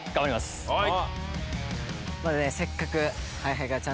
はい。